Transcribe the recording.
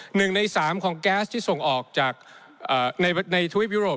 หนึ่งในสามของแก๊สที่ส่งออกจากในทวิปยุโรป